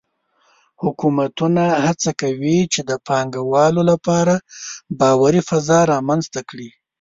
حکومتونه هڅه کوي چې د پانګهوالو لپاره باوري فضا رامنځته کړي.